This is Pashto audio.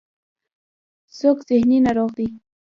څوک ذهني ناروغ دی.